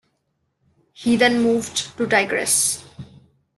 He then moved to Tigres.